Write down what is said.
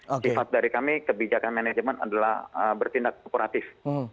sifat dari kami kebijakan manajemen adalah bertindak kooperatif